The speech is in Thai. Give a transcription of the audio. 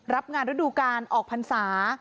รับงานฤดูการออกพรรษา